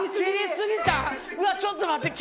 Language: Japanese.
うわっちょっと待って。